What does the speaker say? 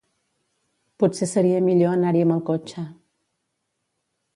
Potser seria millor anar-hi amb el cotxe.